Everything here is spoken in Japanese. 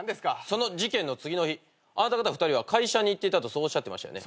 その事件の次の日あなた方は会社に行っていたとそうおっしゃってましたよね。